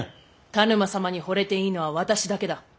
田沼様にほれていいのは私だけだ。